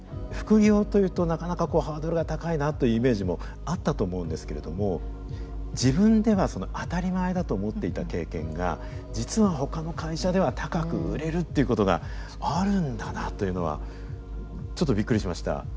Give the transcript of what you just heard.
副業というとなかなかこうハードルが高いなというイメージもあったと思うんですけれども自分では当たり前だと思っていた経験が実はほかの会社では高く売れるっていうことがあるんだなというのはちょっとびっくりしました。